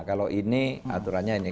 kalau ini aturannya ini